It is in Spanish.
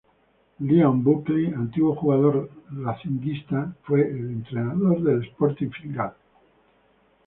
Liam Buckley, antiguo jugador racinguista, fue el entrenador del Sporting Fingal.